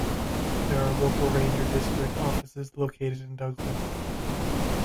There are local ranger district offices located in Douglas.